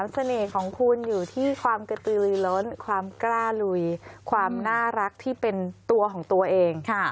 เสน่ห์ของคุณอยู่ที่ความกระตือลุยล้นความกล้าลุยความน่ารักที่เป็นตัวของตัวเอง